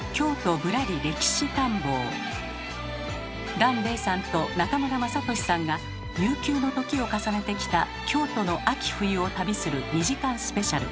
檀れいさんと中村雅俊さんが悠久の時を重ねてきた京都の秋冬を旅する２時間スペシャル。